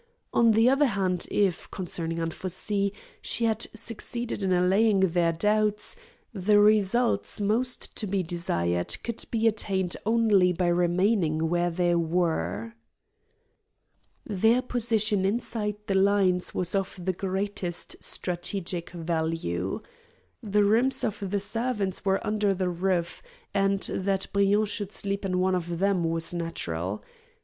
On the other hand, if, concerning Anfossi, she had succeeded in allaying their doubts, the results most to be desired could be attained only by remaining where they were. Their position inside the lines was of the greatest strategic value. The rooms of the servants were under the roof, and that Briand should sleep in one of them was natural.